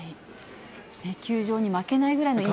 球場に負けないぐらいの熱気。